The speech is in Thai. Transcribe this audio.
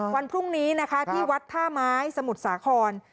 วันพรุ่งนี้นะคะที่วัดท่าไม้สมุทรสาคร